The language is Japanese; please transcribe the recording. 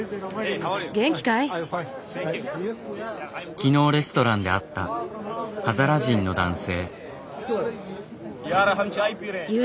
昨日レストランで会ったハザラ人の男性。